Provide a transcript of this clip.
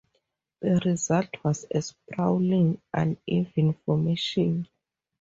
The result was a sprawling, uneven formation.